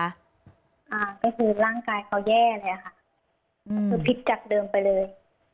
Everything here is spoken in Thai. อ่าก็คือร่างกายเขาแย่เลยค่ะก็คือพิษจากเดิมไปเลย